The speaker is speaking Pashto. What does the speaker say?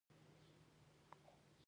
د شپې مو لید څنګه دی؟